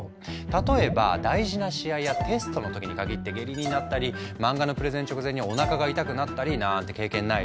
例えば大事な試合やテストの時に限って下痢になったり漫画のプレゼン直前におなかが痛くなったりなんて経験ない？